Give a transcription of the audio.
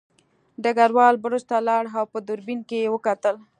ډګروال برج ته لاړ او په دوربین کې یې وکتل